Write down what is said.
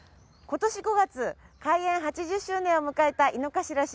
今年５月開園８０周年を迎えた井の頭自然文化園。